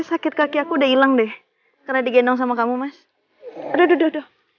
sakit kaki aku udah hilang deh karena digendong sama kamu mas aduh aduh